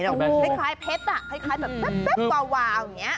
เหมือนกับเพชรเหมือนกับแป๊บกว่าอย่างนี้